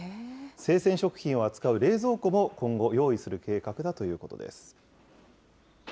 生鮮食品を扱う冷蔵庫も、今後、用意する計画だということです。